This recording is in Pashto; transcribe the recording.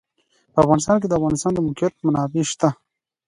په افغانستان کې د د افغانستان د موقعیت منابع شته.